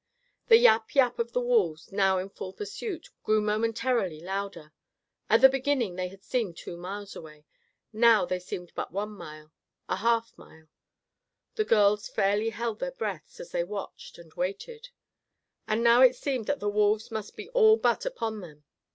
The yap yap of the wolves, now in full pursuit, grew momentarily louder. At the beginning they had seemed two miles away. Now they seemed but one mile; a half mile. The girls fairly held their breaths as they watched and waited. And now it seemed that the wolves must be all but upon them.